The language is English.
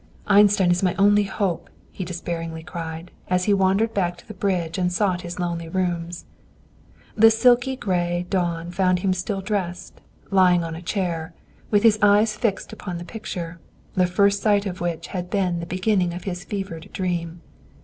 "Einstein is my only hope," he despairingly cried, as he wandered back to the bridge and sought his lonely rooms. The silky gray dawn found him still dressed, lying on a chair, with his eyes fixed upon the picture, the first sight of which had been the beginning of his fevered dream.